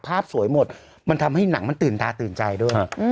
ภาพสวยหมดมันทำให้หนังมันตื่นตาตื่นใจด้วย